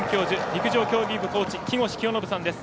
陸上競技部コーチ木越清信さんです。